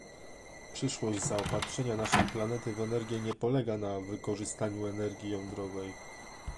Przyszłość zaopatrzenia naszej planety w energię nie polega na wykorzystaniu energii jądrowej